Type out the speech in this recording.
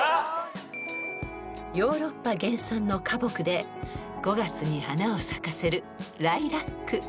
［ヨーロッパ原産の花木で５月に花を咲かせる］